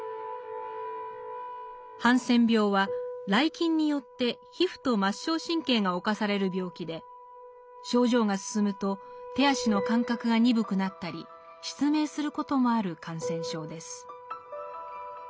ハンセン病はらい菌によって皮膚と末梢神経が侵される病気で症状が進むと手足の感覚が鈍くなったり失明することもある感染症です。